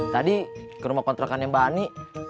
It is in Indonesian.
tadi ke rumah kontrakannya mbak ani